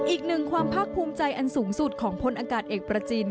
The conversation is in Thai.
อีกหนึ่งความภาคภูมิใจอันสูงสุดของพลอากาศเอกประจิน